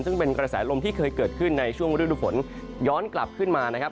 ซึ่งเป็นกระแสลมที่เคยเกิดขึ้นในช่วงฤดูฝนย้อนกลับขึ้นมานะครับ